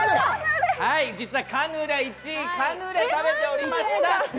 実は１位、カヌレ食べておりました。